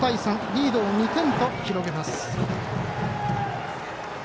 リードを２点と広げます。